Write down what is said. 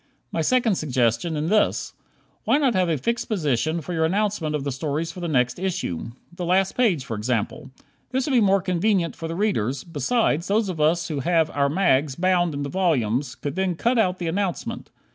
My second suggestion in this: Why not have a fixed position for your announcement of the stories for the next issue? The last page, for example. This would be more convenient for the readers; besides, those of us who have "our mags" bound into volumes could then cut out the announcement.